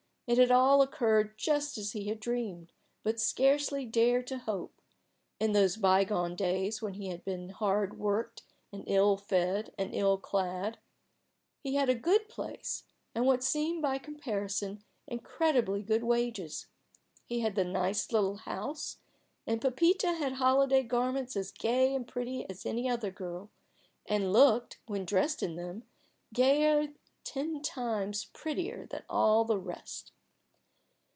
It had all occurred just as he had dreamed, but scarcely dared to hope, in those by gone days when he had been hard worked and ill fed and ill clad. He had a good place, and what seemed by comparison incredibly good wages. He had the nice little house, and Pepita had holiday garments as gay and pretty as any other girl, and looked, when dressed in them, gayer and ten times prettier than all the rest.